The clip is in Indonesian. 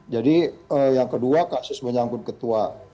jadi yang kedua kasus menyangkut ketua kpk